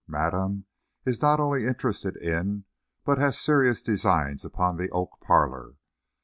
Madame is not only interested in, but has serious designs upon the oak parlor.